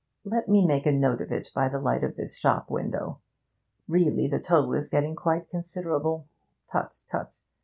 Let me make a note of it by the light of this shop window. Really, the total is getting quite considerable. Tut, tut!